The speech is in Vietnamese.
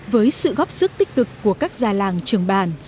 với sự góp sức tích cực của các già làng trường bản